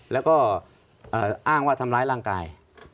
แล้วก็อ้างว่าทำร้ายร่างกาย